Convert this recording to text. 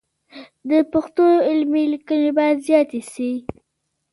د پښتو علمي لیکنې باید زیاتې سي.